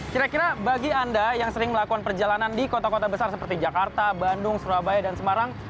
kira kira bagi anda yang sering melakukan perjalanan di kota kota besar seperti jakarta bandung surabaya dan semarang